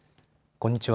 こんにちは。